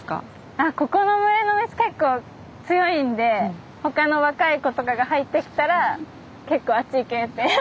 あここの群れの雌結構強いんで他の若い子とかが入ってきたら結構「あっち行け」って。